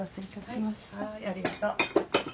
はいありがとう。